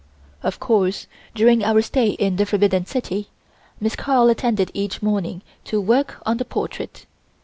Of course, during our stay in the Forbidden City, Miss Carl attended each morning to work on the portrait.